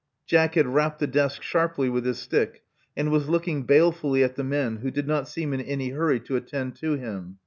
Jack had rapped the desk sharply with his stick, and was looking balefuUy at the men, who did not seem in any hurry to attend to him.